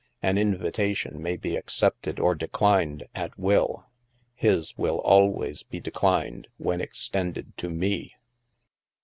An invitation may be accepted or declined, at will. His will always be declined, when extended to me."